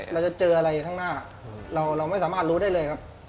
เราจะเจออะไรข้างหน้าเราไม่สามารถรู้ได้เลยครับ